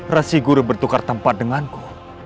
rasi guru bertukar tempat denganku